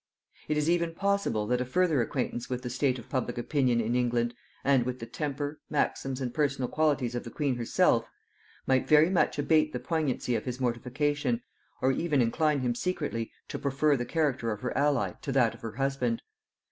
It is even possible that a further acquaintance with the state of public opinion in England, and with the temper, maxims, and personal qualities of the queen herself, might very much abate the poignancy of his mortification, or even incline him secretly to prefer the character of her ally to that of her husband.